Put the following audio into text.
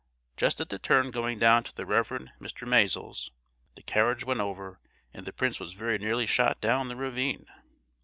Just at the turn going down to the Reverend Mr. Misael's, the carriage went over, and the prince was very nearly shot down the ravine."